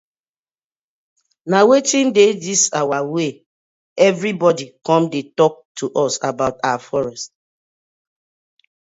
Na wetin dey dis our wey everi bodi com to tok to us abour our forest.